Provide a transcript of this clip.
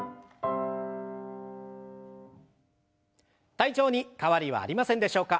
体調に変わりはありませんでしょうか？